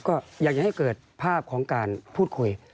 ก็อยากจะให้เกิดภาพของการพูดคุย